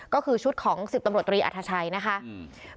ก็คือชุดของสิบตำรวจตรีอัธชัยนะคะอืม